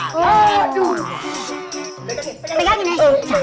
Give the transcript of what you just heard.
kok yang teriak dua orang